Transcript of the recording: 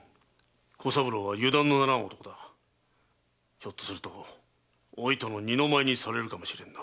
ひょっとするとお糸の二の舞にされるかもしれんな。